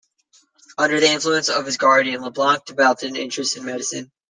Under the influence of his guardian, Leblanc developed an interest in medicine.